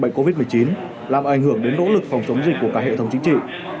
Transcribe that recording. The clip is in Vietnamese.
bệnh covid một mươi chín làm ảnh hưởng đến nỗ lực phòng chống dịch của cả hệ thống chính trị